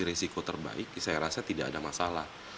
risiko terbaik saya rasa tidak ada masalah